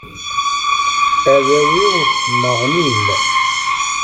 Arraw-iw nneɣnin.